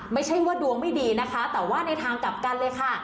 ไม่ใช่ว่าดวงไม่ดีนะคะแต่ว่าในทางกลับกันเลยค่ะ